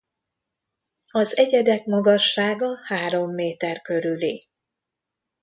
Az egyedek magassága három méter körüli.